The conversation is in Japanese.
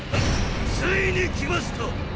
ついに来ました！